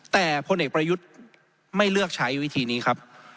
แต่พลเอกประยุทธ์ไม่เลือกใช้วิธีนี้ครับ